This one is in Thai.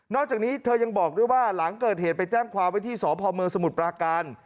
อกจากนี้เธอยังบอกด้วยว่าหลังเกิดเหตุไปแจ้งความไว้ที่สพเมืองสมุทรปราการ